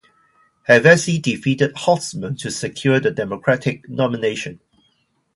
Hevesi defeated Holtzman to secure the Democratic nomination.